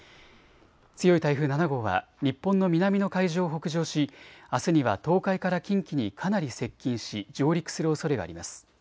強い台風７号は日本の南の海上を北上し、あすには東海から近畿にかなり接近し上陸するおそれがあります。